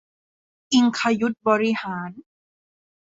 อิงคยุทธบริหาร